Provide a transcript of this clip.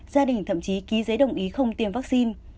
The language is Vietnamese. gia đình thậm chí ký giấy đồng ý không tiêm vaccine